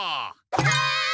はい！